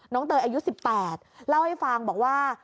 เตยอายุ๑๘เล่าให้ฟังบอกว่า